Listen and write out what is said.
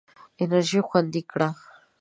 انرژي خوندي کړه.